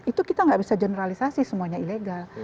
itu kita nggak bisa generalisasi semuanya ilegal